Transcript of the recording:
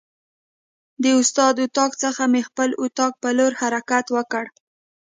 د استاد اتاق څخه مې خپل اتاق په لور حرکت وکړ.